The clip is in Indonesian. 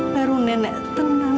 baru nenek tenang